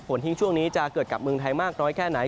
ทิ้งช่วงนี้จะเกิดกับเมืองไทยมากน้อยแค่ไหน